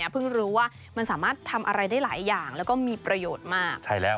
เพิ่งรู้ว่ามันสามารถทำอะไรได้หลายอย่างแล้วก็มีประโยชน์มาก